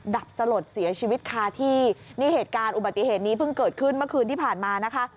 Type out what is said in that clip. ดับสลดเสียชีวิตคาที่นี่เหตุการณ์อุบัติเหตุนี้เพิ่งเกิดขึ้นเมื่อคืนที่ผ่านมานะคะ